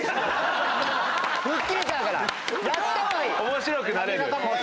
面白くなれる⁉